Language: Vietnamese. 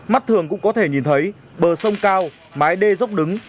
mắt thường cũng có thể nhìn thấy bờ sông cao mái đê dốc đứng